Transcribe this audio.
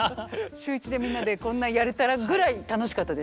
週１でみんなでこんなやれたらぐらい楽しかったです。